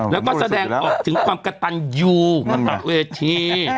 แล้วก็แสดงออกถึงความกระตันยูมาตะเวที